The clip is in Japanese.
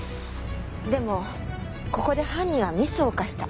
でもここで犯人はミスを犯した。